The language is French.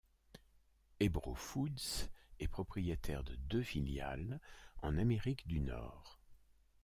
Ebro Foods est propriétaire de deux filiales en Amérique du Nord.